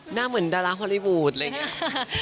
หน้าเหมือนดาราฮอลลี่วูดอะไรอย่างนี้